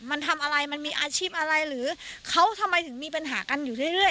มันทำอะไรมันมีอาชีพอะไรหรือเขาทำไมถึงมีปัญหากันอยู่เรื่อย